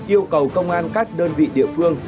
yêu cầu công an các đơn vị địa phương